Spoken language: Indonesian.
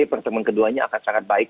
pertemuan keduanya akan sangat baik